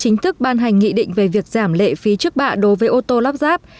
chính thức ban hành nghị định về việc giảm lệ phí trước bạ đối với ô tô lắp ráp